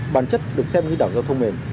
bản chất được xem như đảo giao thông mềm